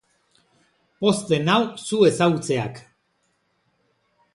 Pozten nau zu ezagutzeak